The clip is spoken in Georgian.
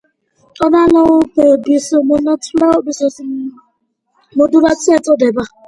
ტონალობების მონაცვლეობას მოდულაცია ეწოდება.